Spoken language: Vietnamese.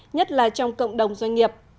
nhất là trong cộng đồng doanh nghiệp